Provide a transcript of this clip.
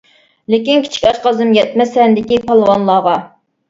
لېكىن كىچىك ئاشقازىنىم يەتمەس سەندىكى پالۋانلارغا.